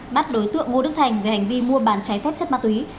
bắt đối tượng ngô đức thành về hành vi mua bán trái phép chất ma túy